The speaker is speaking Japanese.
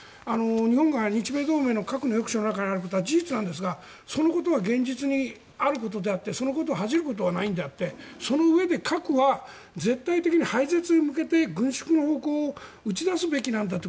日本が日米同盟の核の抑止の中にいるのは事実ですがそれは現実であってそのことを恥じることはないのであってそのうえで核は絶対に廃絶に向けて軍縮の方向を打ち出すべきなんだと。